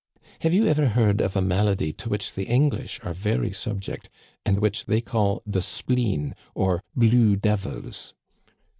"'* Have you ever heard of a malady to which the English are very subject, and v/hich they call the spleen, or blue devils